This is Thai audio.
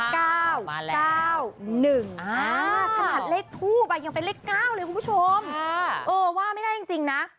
ขนาดเลขทูปอ่ะยังเป็นเลข๙เลยคุณผู้ชมเออว่าไม่ได้จริงนะ